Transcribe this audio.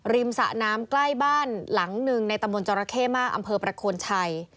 สะน้ำใกล้บ้านหลังหนึ่งในตำบลจรเข้มากอำเภอประโคนชัย